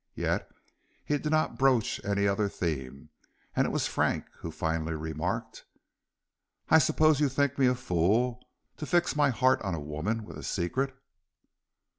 Yet he did not broach any other theme, and it was Frank who finally remarked: "I suppose you think me a fool to fix my heart on a woman with a secret."